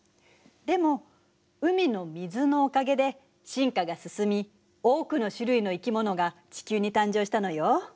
でも海の水のおかげで進化が進み多くの種類の生き物が地球に誕生したのよ。